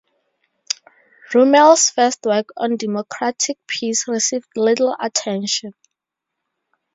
Rummel's first work on democratic peace received little attention.